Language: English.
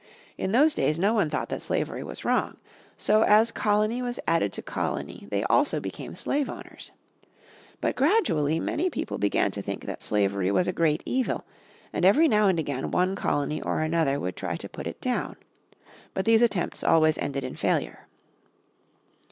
In those days no one thought that slavery was wrong. So as colony was added to colony they also became slave owners. But gradually many people began to think that slavery was a great evil, and every now and again one colony or another would try to put it down. But these attempts always ended in failure.